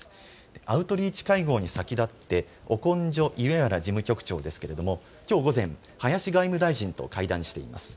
アウトリーチ会合に先立ってオコンジョイウェアラ事務局長ですけれどもきょう午前、林外務大臣と会談しています。